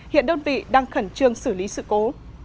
hiện đơn vị đang khẩn trương xử lý sự cố